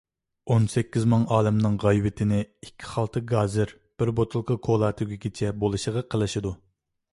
ئون سەككىز مىڭ ئالەمنىڭ غەيۋىتىنى ئىككى خالتا گازىر، بىر بوتۇلكا كولا تۈگىگىچە بولىشىغا قىلىشىدۇ.